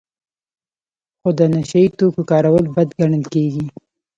خو د نشه یي توکو کارول بد ګڼل کیږي.